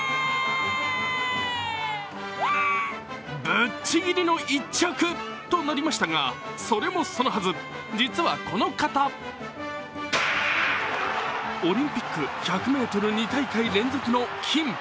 ぶっちぎりの１着となりましたが、それもそのはず、実はこの方オリンピック１００ｍ２大会連続の金。